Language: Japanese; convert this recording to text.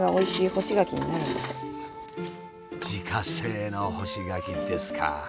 自家製の干し柿ですか。